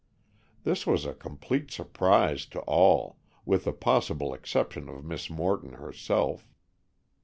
This was a complete surprise to all, with the possible exception of Miss Morton herself.